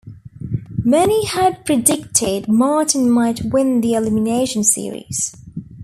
Many had predicted Martin might win the elimination series.